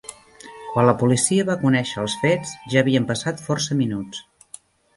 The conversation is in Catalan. Quan la policia va conèixer els fets, ja havien passat força minuts.